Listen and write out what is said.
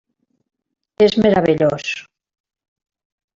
És meravellós.